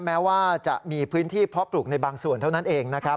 แม้ว่ามีพื้นที่เพราะปรุกในบางส่วนเท่านั้นเอง